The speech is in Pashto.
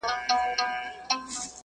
هغه د خوب او شعور په یوه نرۍ کرښه ولاړ و.